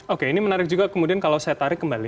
oke ini menarik juga kemudian kalau saya tarik kembali